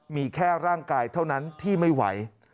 มีแค่ร่างกายเท่านั้นที่ไม่ไหว